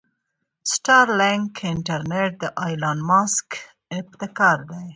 د سټارلنک انټرنټ د ايلان مسک ابتکار دې.